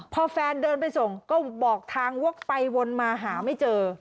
พอแฟนเดินไปส่งก็บอกทางวกไปวนมาหาไม่เจอ